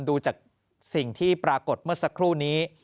ดูจากสิ่งที่ปรากฏเมื่อสักครู่นี้